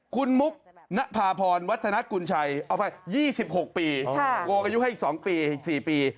คุณมุกนภพนวัตถนกุญไชย๒๖ปีก่ออายุให้อีก๒ปีอีก๔ปี